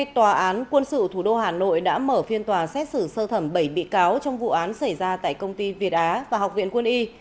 tòa án quân sự thủ đô hà nội đã mở phiên tòa xét xử sơ thẩm bảy bị cáo trong vụ án xảy ra tại công ty việt á và học viện quân y